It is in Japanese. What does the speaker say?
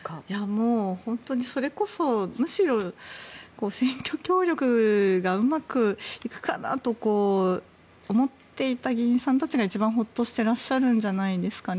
もう本当にそれこそむしろ選挙協力がうまくいくかなと思っていた議員さんたちが一番ホッとしてらっしゃるんじゃないですか。